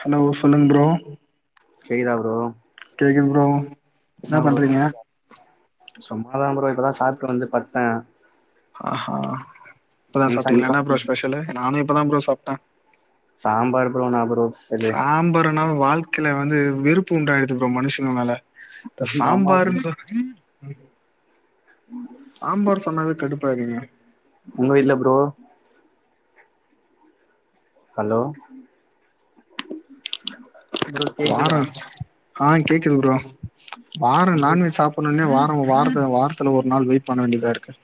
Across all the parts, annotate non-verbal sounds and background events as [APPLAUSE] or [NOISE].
Hello சொல்லுங் bro கேக்குதா bro கேக்குது ப்ரோ என்ன என்னா ப்ரோ பண்றீங்க சாப்ட்டியா சும்மா தா ப்ரோ இப்பதா சாப்ட்டு வந்து பட்த்தே ஆ ஹா இப்பதா சாப்ட்டிங்ளா என்னா சாப்ட்டீங்களா ப்ரோ ஃஸ்பெஷலு நானு இப்பதா ப்ரோ சாப்ட்டே சாம்பார் ப்ரோ என்னா ப்ரோ பெஷலு உணவு வாழ்க்கைல வந்து வெறுப்பு உண்டாய்டுது ப்ரோ மனுஷங்கள மேல இப்ப ஆமா ப்ரோ சாம்பாருன் சொ சாம்பார் சொன்னாவே கடுப்பாய்ருவீங்க உங்க வீட்ல ப்ரோ ஹலோ ப்ரோ கேக்குதா வாரொ ஆ கேக்குது ப்ரோ வாரோ நான்வெஜ் சாப் புனுனே வாரோ வாரத் வாரத்துல ஒர் நாள் வெயிட் பண்ண வேண்டிதாருக்கு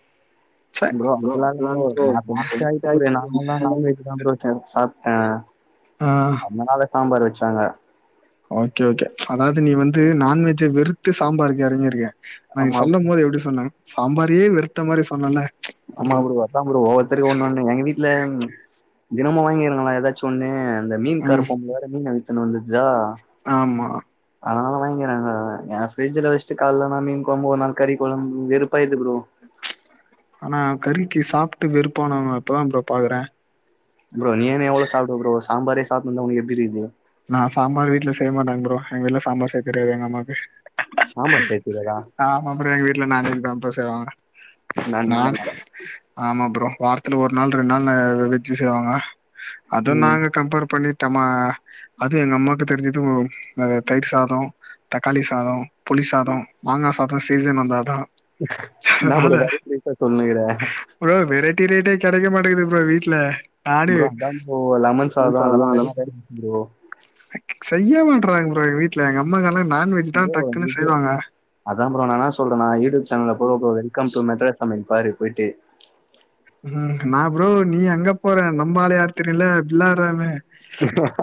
ப்ரோ அப்பிலா இல்ல ப்ரோ நா நென்ச்சா டென்த் இப்ப கூட ஆயிட்டே நாங்கல்லா ப்ரோ நான்வெஜ்ஜு தா ப்ரோ ச சாப்ட்டே ஆ என்னனால சாம்பார் வச்சாங்க ஓகே ஓகே அதாவ்து நீ வந்து நான்வெஜ்ஜ வெறுத்து சாம்பாருக்கு எறங்கிருக்க ஆனா நீ ஆமா சொல்லம்போது எப்டி சொன்ன சாம்பாரே வெறுத்த மாரி சொன்னல அம்மா ப்ரோ அதா ப்ரோ ஒவ்வொருத்தருக்கு ஒன்னொன்னு எங்க வீட்ல தினமு வாங்கிறாங்களா எதாச்சு ஒன்னு அந்த மீன் கார பொம்பள வேற மீன வித்துனு வந்துச்சா ஆம்மா அதனால வாங்கிறாங்க எ ஃப்ரிட்ஜுல வச்ட்டு கால்லானா மீன் கொழம்பு ஒரு நாள் கறி கொழம்பு வெறுப்பாய்து ப்ரோ ஆனா கறிக்கி சாப்ட்டு வெறுப்பானோங்க இப்பதா ப்ரோ பாக்குறே ப்ரோ நீனு எவ்ளோ சாப்டுவ ப்ரோ சாம்பாரே சாப்னுந்தா ஒன்க்கு எப்டிருக்குது நா சாம்பார் வீட்ல செய்மாட்டாங்க ப்ரோ எங் வீட்ல சாம்பார் செய் தெரியாது எங்கம்மாக்கு சாம்பார் செய் தெரியாதா அப்றோ எங்க வீட்ல நான்வெஜ் தாப்பா செய்வாங்க நான் நா வெஜ்ஜா ஆமா ப்ரோ வாரத்ல ஒர் நாள் ரெண்ட்நாள் வெஜ்ஜு செய்வாங்க அது ம் நாங்க கம்பேர் பண்ணிட்டம்மா அது எங்கம்மாக்கு தெரிஞ்சது அது தயிர் சாதோ தக்காளி சாதோ புளி சாதோ மாங்கா சாதோ சீசன் வந்தாதா என்னா ப்ரோ வெரைட்டி ரெட்டியா சொல்னுகுற ப்ரோ வெரைட்டி ரெட்டியா கெடைக்க மாட்டேக்குது ப்ரோ வீட்ல நானு ப்ரோ அதா ப்ரோ லெமன் என்னன்னு சாதோ சொல்றது அதெல்லா வெரைட்டி ரெட்டி ப்ரோ செய்ய மாட்றாங் ப்ரோ எங்க வீட்ல எங்க அம்மாங்கல்லா நான்வெஜ் தா ப்ரோ டக்குன்னு செய்வாங்க அதா ப்ரோ நா என்னா சொல்றேனா யூடியூப் சேனல போ போ வெல்கம் டு மெட்ராஸ் சமையல் பாரு போய்ட்டு ம் நா ப்ரோ நீ அங்க போற நம்பாளு யார் தெரியுல துலா ராமே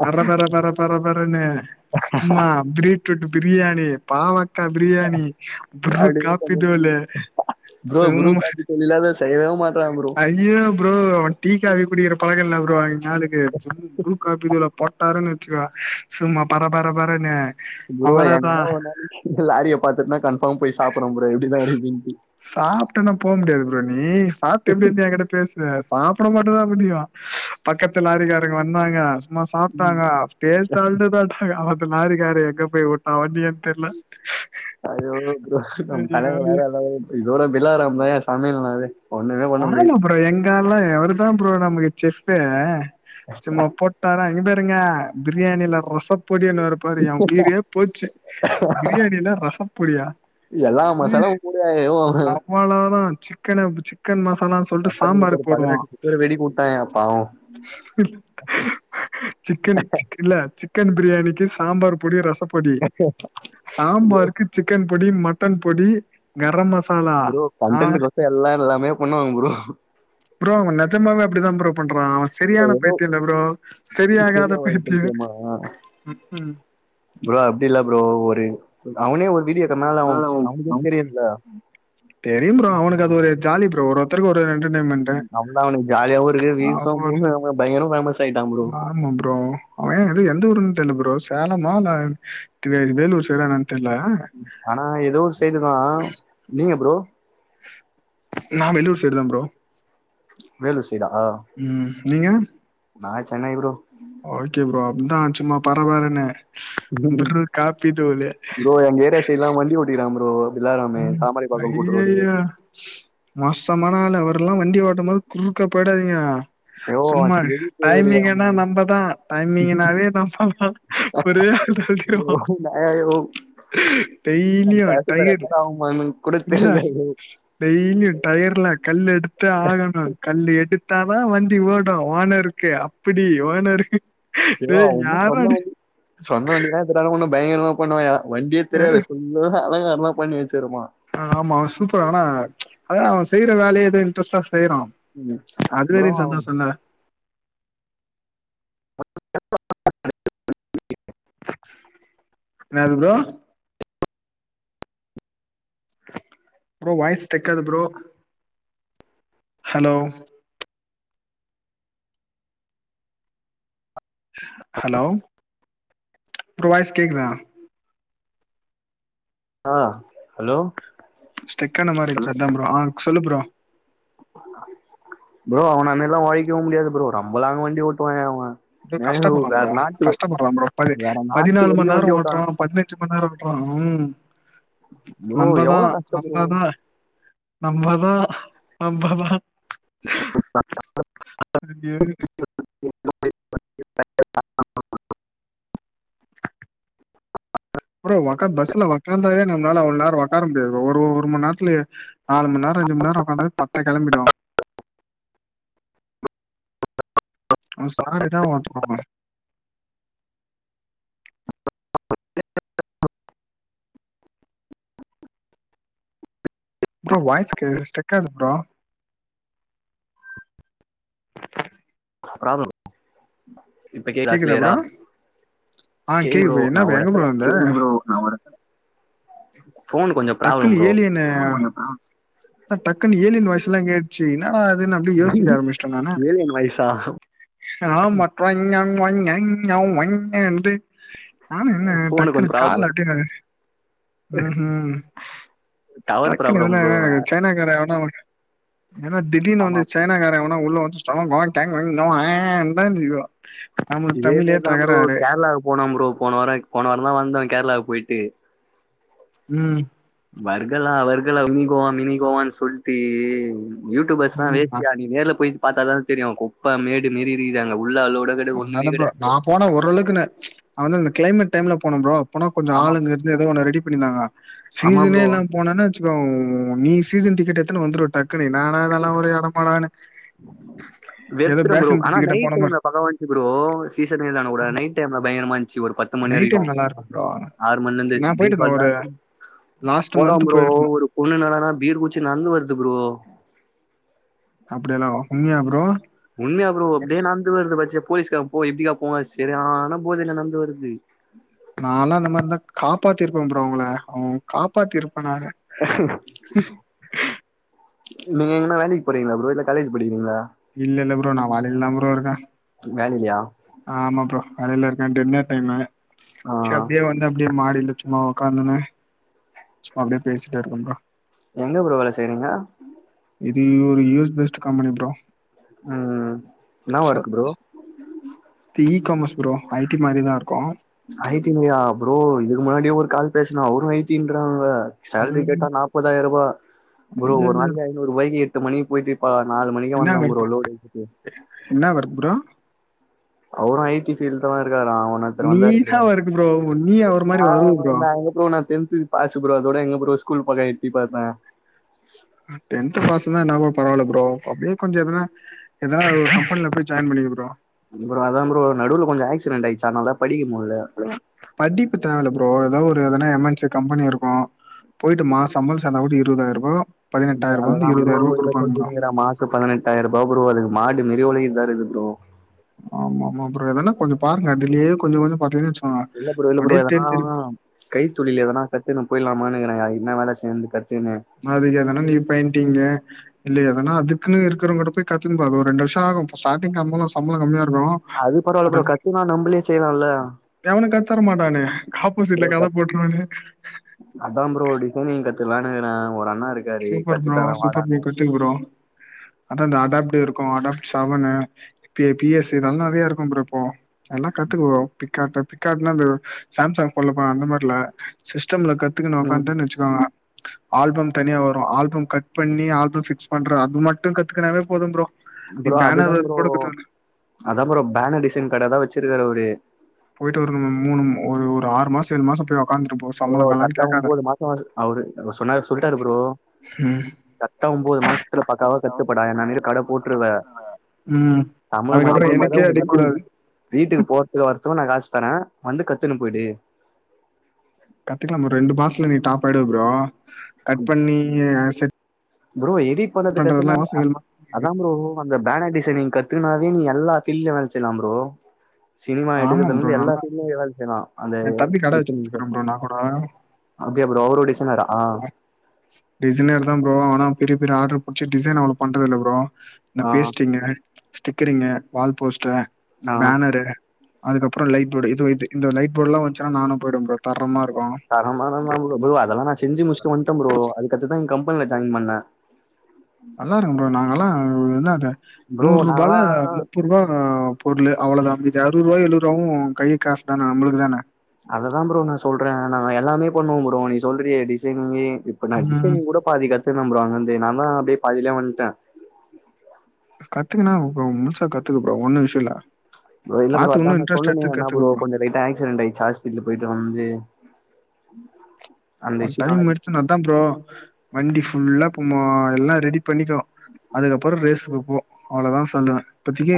அடடா பர பர பர பரனு சும்மா பீட்ரூட்டு பிரியாணி பாவக்கா பிரியாணி ப்ரூ அப்டியே காப்பிதூளே ப்ரோ ப்ரூ காப்பி செய்யவே மாட்றாங் ப்ரோ இங்கையு அப்டிதா அவே டீக்காபி குடிக்குற பழக்கோ இல்ல ப்ரோ எங் ஆளுக்கு சும் ப்ரூ காப்பி தூள போட்டார்னு வச்சுக்க சும்மா பர பர பரனு ப்ரோ என்னைனோ ஒரு நாளு லாரிய பாத்துட்டுனா கன்ஃபார்ம் போய் சாப்புறே ப்ரோ எப்டிதா இருக்குனு சாப்ட்டேனா போ முடியாது ப்ரோ நீ சாப்ட்ட எப்டி இருந்து எ கிட்ட பேச சாப்ட மட்டு தா முடியு பக்கத்து லாரிக்காரங்க வந்தாங்க இந்மார் சாப்ட்டாங்க டேஸ்ட்டாருந்தது தாட்டுக்கு அது லாரிக்காரு எங்க போய் வுட்டா வண்டிய தெர்ல அய்யய்யோ ப்ரோ நம் ஐயோ தலைங்க ஐயோ வேற எதாவது இதோட பிலாராம் தாங்க சமையல்னாவே ஒண்ணுமே பண்ண முடியாது ஆமா ப்ரோ எங்காள்லா அவரு தா ப்ரோ நமக்கு செஃப்பே சும்மா போட் டானா இங்க பாருங்க பிரியாணியில ரசப் பொடியனுவாரு பாரு எ உயிரே போச்சு பிரியாணில ரசப் பொடியா எல்லா மசாலாவு போடுவாங்க ஏதோ ஒரு அவ்ளோ தா சிக்கன் பிச் சிக்கன் மசாலாஸ் எத்தன பேர்க்கு பதினெட்டு லட்சோ பேர் வெடி போட்டாயா பாவோ சிக்கன் சிக் இல்ல சிக்கன் பிரியாணிக்கு சாம்பார் பொடி ரசப் பொடி சாம்பாருக்கு சிக்கன் பொடி மட்டன் பொடி கரம் மசாலா. ப்ரோண ஆ கண்டண்ட்கொசரோ எல்லா எல்லாமே பண்ணுவாங்க ப்ரோ ப்ரோ அவே நெசாமாவே அப்டிதா ப்ரோ பண்றா அவ ச ப்ரோ செரியான பைத்தியோ இல்ல ப்ரோ எப்படி செரியாகாத சரியா வருது பைத்தியோ பைத்தியமா ம் ம் ப்ரோ அப்டி இல்ல ப்ரோ ஒரு அவனே ஒரு வீடியோ எடுத் இருனால அவ அதனால அவன் அவனுக்கே அவன் தெரியல ஜாலிப்ரோ ஒருவொரு திரும்ப ஒரு ரெண்டு டைம் அவ்ளோதா அவனுக்கு ஜாலியாவு இருக்கு வீயூஸ் அவன் வந்து ரொம்ப பயங்கர ஃபேமஸ் ஆயிட்டான் ப்ரோ ஆமா ப்ரோ அவே இது எந்த ஊருன்னு தெர்ல ப்ரோ சேலமா இல்ல வேலூர் சைட்டா என்னன் தெர்ல ஆனா ஏதோ ஒரு சைடுதா நீங்க ப்ரோ நா வேலூர் சைடு தா ப்ரோ வேலூர் சைடா ம் நீங்க நா சென்னை ப்ரோ ஓகே ப்ரோ அப்தா சும்மா பரவறனு ப்ரூ காப்பி தூளு ப்ரோ ஒங் ஏரியா சைட் ல்லா வண்டி ஓட்டிக்ரா ப்ரோ பிலாராமே ம் தாமரைப்பாக்கம் கூட்டு ரோடு அய்யய்யோ மோசமான ஆள் அவரெல்லா வண்டி ஓட்டு போது குறுக்க போயிடாதீங்க ஐயோ சும்மா எடி தேவரி அவங்க டைமிங்னா நம்மதா டைமிங்னாவே நம்ப தா ஒரே ஹெல்து ஹெல்திர ஐயோ ஆ நான் ஐயோ, டெய்லியு டைகரு ஒன் மினிட் இன்ன டெய்லி டயர்ல கல் எடுத்து ஆகணு கல் எடுத்தாதா வண்டி ஓடு ஓனருக்கு அப் இப்டி ஓனருக்கு எதா டேய் ஒண்ணு யார்ரா சொந்த நீ வண்டி சொந்த வண்டி த இதான ஒண்ணு பயங்கரமா பண்ணுவாயா வண்டியே தெரியாது ஃபுல்லு அலங்காரதா பண்ணி வச்சிருப்பா ஆ ஆமா சூப்பர் ஆனா அதா அவ செய்ற வேலையை ஏதோ இன்ட்ரெஸ்ட்டா செய்றா ம் ப்ரோ அதுவரைக்கு அவன் சந்தோஷாதா [UNINTELLIGIBLE] என்னது ப்ரோ ப்ரோ வாய்ஸ் ஸ்டக்காது ப்ரோ ஹலோ ஹலோ ப்ரோ கேக்கு தா ஆ ஹலோ ஸ்டக்கான மாரி இருந்துச்சு அதா ப்ரோ ஆ சொல்லு ப்ரோ ப்ரோ அவன மாரி எல்லா ஒழைக்கவு முடியாது ப்ரோ ரொம்பலாங்க வண்டி ஓட்டுவாயா அவ ப்ரோ கஷ்டப்படுறா ப்ரோ கஷ்டப்படுறா ப்ரோ பதி வேற நாட்டு பதினாலு மண் வரைக்கும் நேரோ வண்டி ஓட்டுறா ஓட்டான் பதினெட் அஞ்சு மண்நேரோ ஓட்டுறா ம் ப்ரோ நம்மதா எவ்வளவு கஷ்டம் ப்ரோ நம்மதா நம்மதா நம்மதா நெஞ்சு எரிது [INAUDIBLE] ப்ரோ ஒக்கா பஸ்ல ஒக்காந்தாவே நம்ளால அவ்ளோ நேர ஒக்கார முடியாது ஒரு ஒரு மண் நேத்துலயே நாலுமண் நேரோ அஞ்சமணிநேரோ ஒக்காந்தலே பட்ட கெளம்பிடு அவ சார் இதா வாட்டிபோமே [INAUDIBLE] ப்ரோ வாய்ஸ் கே ஸ்டக்காது ப்ரோ ப்ராப்ளம் இப்ப கேக்குதா க்ளியரா ஆ ப்ரோ என்ன ப்ரோ எங்க கேக்குது ப்ரோ நா ஒரு எடத்துல ஃபோனு கொஞ்சப் டக்குனு ஏலியனு தா டக்குன் ஏலியன் வாய்சுலா கேட் செரி என்னடா அது ந அப்டி யோசிக்க ஆரம்பிச்சட்டே நானு ஏலியன் வயசா ஆமா [UNINTELLIGIBLE] ஞ் ஞண்டு நானு என்ன ஃபோனு டக்குன்னு கொஞ்சம் ப்ராப்ளம் ப்ரோ கால அப்டின்னு ம் ஹும் டவர் டக்குன்னு ப்ராப்ளம் எதுனா ப்ரோ சைனாக்காரே எவனா வந் ஏனா திடீர்னு ஆமா வந்து சைனாக்காரே எவனோ உள்ள வஞ் [UNINTELLIGIBLE] இதே மாரிதா ப்ரோ கேரளாவுக்கு போனோ ப்ரோ போன வாரோ போன வாரோந் தா வந்தோ கேரளாவுக்கு போயிட்டு ம் வர்கலா வர்கலா மினி கோவா மினிகோவான்னு சொல்ட்டு யூடியூபஸ்லா வே ம் தியாகிவே நேர்ல போயி பாத்தாதான தெரியு குப்ப மேடு மேறிதுங்க அங்க உள்ள அளோட கெடயாது ஒண்ணுமே நால ப்ரோ கெடயாது நா போன ஓரளவுக்கு நா வந்து அந்த கிளைமேட் டைம்ல போனே ப்ரோ அப்பனா கொஞ்ச ஆமா ஆளுங்க ஏதோ ஒன்ன ரெடி பண்ணிந்தாங்க ஆமா சீசனே ப்ரோ இல்லாம போனோனே வெச்சிக் கோ நீ சீசன் டிக்கெட் எத்துனு வந்துருவ டக் நடா அதெல்லாம் ஒரு எடம்மாடானனு ஏதோ வெறுத்துட்ட ப்ரோ பேசன் ஆனா பிரிச்சு கிட்ட நைட் போனமா டைம்ல பக்காவா இருந்துச்சு ப்ரோ [UNINTELLIGIBLE] நைட் டைம்ல பயங்கரமா இருந்துச்சு ஒரு பத்து மணி நைட் வரைக்கு டைம் நல்லா இருக்கு ப்ரோ ஆறு மணிலிந்து ப்ரீ பால்லா எத்துன்னு லாஸ்ட்டு மந்த் போயிருந்தோ பொண்ணு ன்னாடானா பீர் குச்சி நந்து வருது ப்ரோ அப்புடியெல்லா உண்மியா ப்ரோ உண்மையா ப்ரோ அப்பிடியே நடந்து வருது பச்சே போலீக்கார போ இப்படிக்கா போங்க செரி ஆனா போதைல நந்து வருது நாலா இந்த மாரிந்தா காப்பாத்தி இருப்பே ப்ரோ அவ்ங்கள அவுங் காப்பாத்தி இருப்பே நானு நீங்க எங்கனா வேலைக்கு போறீங்ளா ப்ரோ இல்ல காலேஜ் படிக்கிறீங்ளா இல்ல இல்ல ப்ரோ நா வேலைல்ல தா ப்ரோ இருக்கே வேலலையா ஆமா ப்ரோ வேலையில இருக்கே டின்னர் டைமு ஆ செப்டியே வந்து அப்டியே மாடியில சும்மா உக்காந்துனு சும்மா அப்டியே பேசிட்டே இருக்க‌ப்ரோ எங்க ப்ரோ வேல செய்றீங்க இது ஒரு யூஸ் பெஸ்ட்டு கம்பெனி ப்ரோ ம் என்னா work bro e commerce bro I T மாரி தா இருக்கு ஐ டி லய ப்ரோ இதுக்கு முன்னாடியே ஒரு கால் பேசுன அவுரு ஐ டின்றாங்க சேலரி ம் கேட்டா நாப்பதாயிர ரூபா ப்ரோ ஒரு ஐயையோ நாளைக்கு ஐநூற்ருபாய்க்கி எட்டு மணிக்கு போயிட்டு இப்ப நாலு மணிக்கு வந்தம் ப்ரோ லோடு ஏத்திட்டு ன்னா வர்க்கு ப்ரோ அவரு ஐ டி பீல்ட் தா இருக்காரா உன்னொத்தரு வந்தாரு ப்ரோ நீதா ஒர்க் நீ அவர் மாரி வருவ ப்ரோ [UNINTELLIGIBLE] ரோ நா டென்த்து பாசு புரோ அதோட எங்க ப்ரோ ஸ்கூல் பக்கோ எட்டி பாத்த டென்த் பாஸ்ன்தா ன்னா ப்ரோ பராவல்ல ப்ரோ அப்டியே கொஞ்ச எதனா ஏதனா ஒரு கம்பென்ல போய் ஜாயின் பண்ணிக்க ப்ரோ அதா ப்ரோ நடுவு கொஞ்ச ஆக்சிடன்ட் ஆயிச்சு அனால தா படிக் முல்ல படிப்பு தேவல்ல ப்ரோ ஏதாவது ஒரு எதனா எம் என் சி கம்பெனி இருக்கு போயிட்டு மா சம்பள் சேந்தா கூடோ இருவதாயிர் ரூபா ப்ரோ அததா ப்ரோ இப்ப செஞ்சினுகிற மாசொ பதனெட் டாயிர்ரூபா பரோ அதுக்கு மாடு மாரி ஒழைக்கற்தா இருக்கு ப்ரோ ஆமா ஆமா ப்ரோ எதனா கொஞ்ச பாருங்க அதுலய கொஞ்சம் கொஞ்சம் பாத்தீங்கன்ன வெச்சு இல்ல ப்ரோ இல்ல ப்ரோ எதனா கைத் தொழில் எதனா கத்துன்னு போய்லாமான்னுகிற யாருகிடனா வேல சேந்து கத்துக்குனு அதுக்கெதனா நீ பெயிண்டிங்கு இல்ல எதனா அதுகுன்னு இருகிறவங்க கிட்ட போய் கத்துக்குனு வா ஒரு ரெண்டு வர்ஷாகு ஸ்டாடிங் சம்பளம் கம்மியாருக்கு அது பரவால்ல ஃப்ரோ கத்துகுனா நம்பளே செய்லால்ல எவனு கத்தர மாட்டானுங்க ஆப்போசிட்ல கட கத் போட்ருவானே அதா ஃப்ரோ ஒரு டிசைனிங் கத்துகலானுக்கிற ஒரு அண்ணா இருக் சூப்பர் ப்ரோ சூப்பர் ப்ரோ கத்துக ப்ரோ அதா இந்த அடாப்ட் இருக்கு adapt seven P S C இதெல்லா நெறையா இருக்கு ஃப்ரோ இப்போ எல்லா கத்துக்குவ காட் பிலிப்காட்னா அந்த சாம்சங் போன்ல அந்த மாரில சிஸ்டம்ல கத்துக்கணு ம் வக்கான்டன் வெச்சு கோங்க ஆல்பம் தனியா வரூ ஆல்பம் கட் பண்ணி ஆல்பம் பிக்ஸ் பண்ற அது மட்டூ கத்துக்னாவே போதும் ப்ரோ நீ ப்ரோ பேனர் அதுதா ஒர்க் ப்ரோ கூட [UNINTELLIGIBLE] அதா ப்ரோ பேனர் டிசன் கடதா வச்சிருக்காரு அவரு போயிட்டு ஒரு மூணும் ஒரு ஒரு ஆறு மாசொ ஏழு மாசொ போய் உக்காந்துட்டு ப்ரோ ஒரு கர்டா ஒம்பேது மாசோ அவரு அவரு சொன்னார் சொல்லிட்டாரு ப்ரோ ம் கர்டா ஒம்போது மாசத்துல பக்காவா கத்துப்படா என்ன மேரி கட போட்ருவ ம். சம்பள மட்டூ அதுக்கப்புறம் கேக்காத எனக்கே கத்துக்கணும். உனக்கு வீட்டுக்கு அடிக்கக்கூடாது. வீட்டுக்கு போறத்துக்கு வரத்துக்கூ நா காசு தரேன் வந்து கத்துன்னு போய்டு கத்துக்கலா ப்ரோ ரெண்டு மாசத்துல நீ டாப் ஆயிடுவ ப்ரோ கட் பண்ணி செட் ப்ரோ எடிட் பண்ணது பண்றதெல்லாம் கத்துக்னால மாசம் அந் மாசம் அதா ஃப்ரோ அந்த பேனர் டிசைனிங் நீங்க கத்துனாவே நீ எல்லா பீல்லயயூ வேல் செய்யலா ஃப்ரோ சினிமா ஆமா எடுக்கத்ர்ல ப்ரோ. இருந்து நல்லா எல்லாத்தையுமே நீ செய்யலா அந்த என் தம்பி கடை டீசின் போ வச்சுட்டுருக்கான் ப்ரோ நான் கூட. அப்டியா ஃப்ரோ அவரூ டிசைனரா டிசைனர் தா ஃப்ரோ ஆனா பெரிய பெரிய ஆடர் புடிச்சு டிசைன் அவ்ளோ பண்றதுல்ல ஃப்ரோ இந்த ஆ பேஸ்டிங்கு ஸ்டிக்கரிங்கு வால்போஸ்ட்டு ஆ பேனரு அதுக்கப்பறோ லைட் போர்டு இதே இந்த லைட் போர்ட்லா வச்சுன்னா நானூ போய்டுவே ஃப்ரோ தரமாருக்கூ தரமானா தா ஃப்ரோ அதெல்லா நா செஞ்சி முடிச்சிட்டு வன்டே ஃப்ரோ அதுக்கத்துத் தா இங் கம்பெனில ஜாயின் பண்ணே நல்லா இருக்கூ ஃப்ரோ நாங்கல்லா என்னாது ப்ரோ நூற் ரூபால நாங்களாம் முப்பொற்றூவா பொருளூ அவ்ளோ தா மீதி அறுவத்ரூபா எழுவதுரூபா கை காசு தான நம்மளுக்கு தானே அததான் ஃப்ரோ நா சொல்றே நா எல்லாமே பண்ணுவோ ஃப்ரோ நீ சொல்றிய டிசைனிங்கி இப்ப நா ம் டிசைனிங் கூட பாதி கத்துனோ ஃப்ரோ அங்கேர்ந்து நா தா அப்டியே பாதிலே வந்டே கத்துக்குனா ஃப்ரோ முழுசா கத்துக்க ஃப்ரோ ஒன்னூ விஷ்யோல்ல ஃப்ரோ இல்ல ஃப்ரோ அதா நா சொன்னேனே ன்னா ஃப்ரோ ப்ரோ கொஞ்சோ லைட்டா ஆக்சிடென்ட் ஆயிடுச்சி ஹாஸ் பிடல் போயிட்டு வந்து அந்த ஒன் இஷ்யூ டைம் நாளைக்கு எடுத்து அதா ப்ரோ அதான் ஃப்ரோ வண்டி ஃபுல்லா ம்போ எல்லா ரெடி பண்ணிக்கோ அதுக்கப்பறோ ரேஸுக்கு போ அவ்ளோதா சொல்லுவே இப்பத்திக்கு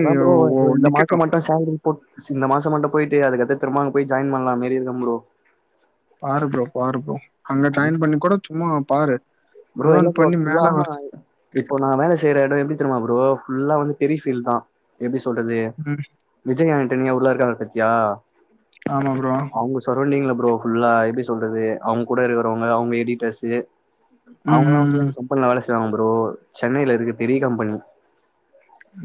நிக்கட்டூ சேல்ரி போட் இந்த மாசொ மட்டு போயிட்டு அதுக்கத்த திரும்ப அங்க போய் ஜாயின் பண்ணலாமேறி இருக்கோ ஃப்ரோ பாரு ப்ரோ பாரு ப்ரோ அங்க ஜாயின் பண்ணி கூட சும்மா பாரு ப்ரோ ஏதோ எங்க ஒன்னு ப்ரோ பண்ணி ஃபுல்லா மேல வர இப்போ நா வேல செய்ற எடம் எப்டி தெரிமா ஃப்ரோ ஃபுல்லா வந்து ஹெவீ ஃபீல்ட் தா எப்டி சொல்றது ம் விஜய் ஆண்டனியா உள்ள இருக்காளா பாத்தியா ஆமா ப்ரோ அவுங்க சரோண்டிங்ல ஃப்ரோ ஃபுல்லா எப்டி சொல்றது அவங்க கூட இருக்கிறவங்க அவங்க எடிட்டர்ஸு ம் அவங்கல்லா வந்து ம் ம் எங்க கம்பெனில வேல செய்வாங்க ப்ரோ சென்னையில இருக்கு பெரிய கம்பெனி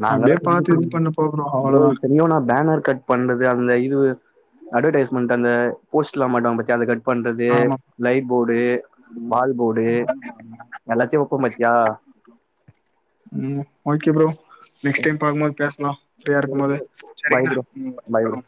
நா அங்கதா அப்டியே பாத்து இது செஞ்சிட்டுருந்தோ பண்ணு போ ப்ரோ அவ்ளோதா இத்தனோயூ நா பேனர் கட் பண்றது அதல இது அட்வர்டைஸ்மெண்ட் அந்த போஸ்ட்லா மாட்டுவாங்க பாத்தி அத கட் பண்றது ஆமா லைட் போர்டு வால் போர்டு எல்லாத்தையூ வெப்போ பாத்தியா ம் ஓகே ப்ரோ நெக்ஸ்ட் டைம் பாக்கு போது பேஸ்லா ஃப்ரீயா சரி இருக்கோ போது ப்ரோ பாய் ப்ரோ ம் பாய் ப்ரோ ஆ